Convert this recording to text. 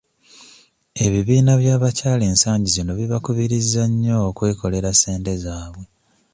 Ebibiina by'abakyala ensangi zino bibakubiriza nnyo okwekolera ssente zaabwe.